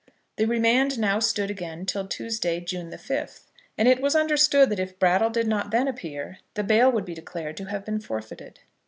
The remand now stood again till Tuesday, June the 5th, and it was understood that if Brattle did not then appear the bail would be declared to have been forfeited.